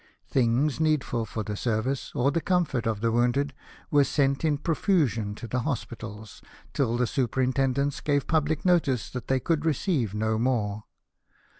Things needful for the service, or the comfort of the wounded, were sent in profusion to the hospitals, till the super intendents gave public notice that they could receive no more.